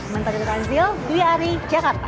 menteri tanzil dwi ari jakarta